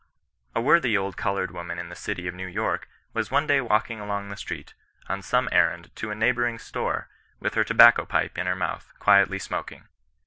A worthy old coloured woman in the city of New York was one day walking along the street, on some errand to a neighbouring store, with her tobacco pipe in her mouth, quietly smoking.